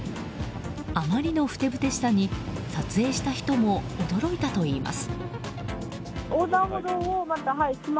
あまりのふてぶてしさに撮影した人も驚いたといいます。